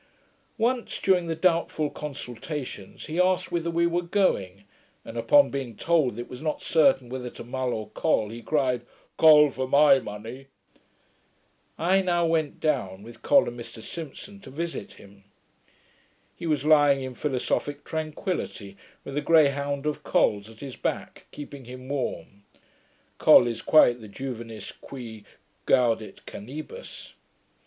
] Once, during the doubtful consultations, he asked whither we were going; and upon being told that it was not certain whether to Mull or Col, he cried, 'Col for my money!' I now went down, with Col and Mr Simpson, to visit him. He was lying in philosophick tranquillity with a greyhound of Col's at his back, keeping him warm. Col is quite the Juvenis qui gaudet canibus.